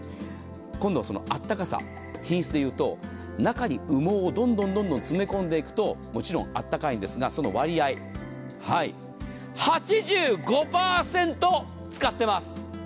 今度は、あったかさ品質でいうと中に羽毛をどんどん詰め込んでいくともちろんあったかいんですがその割合８５％使っています。